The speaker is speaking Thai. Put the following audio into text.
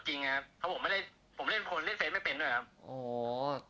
คือผมผมไม่รู้ผมไม่รู้ค่ะ